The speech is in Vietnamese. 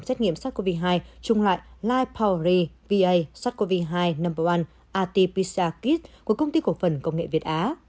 xét nghiệm sars cov hai trung loại lyme powdery va